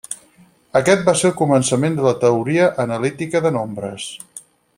Aquest va ser el començament de la teoria analítica de nombres.